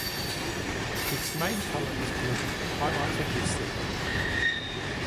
Its main color is blue, highlighted with silver.